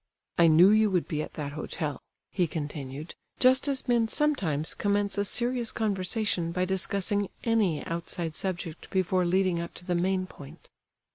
"I knew you would be at that hotel," he continued, just as men sometimes commence a serious conversation by discussing any outside subject before leading up to the main point.